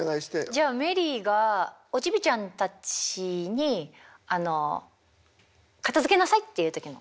じゃあメリーがおちびちゃんたちにあの「片づけなさい」って言う時の。